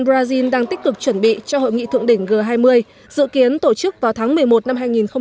brazil đang tích cực chuẩn bị cho hội nghị thượng đỉnh g hai mươi dự kiến tổ chức vào tháng một mươi một năm hai nghìn hai mươi